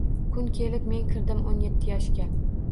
Kun kelib men kirdim o’n yetti yoshga.